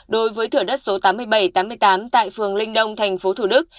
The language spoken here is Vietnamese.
đối với thửa đất số tám nghìn bảy trăm tám mươi tám tại phường linh đông thành phố thủ đức